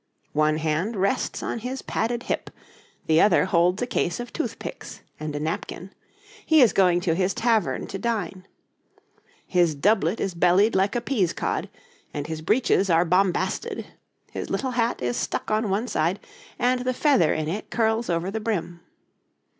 One hand rests on his padded hip, the other holds a case of toothpicks and a napkin; he is going to his tavern to dine. His doublet is bellied like a pea's cod, and his breeches are bombasted, his little hat is stuck on one side and the feather in it curls over the brim.